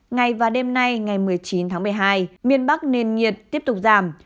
ngày và đêm nay ngày một mươi chín tháng một mươi hai miền bắc nền nhiệt tiếp tục giảm